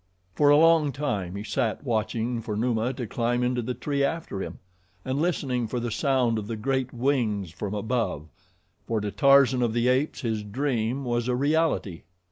For a long time he sat watching for Numa to climb into the tree after him, and listening for the sound of the great wings from above, for to Tarzan of the Apes his dream was a reality.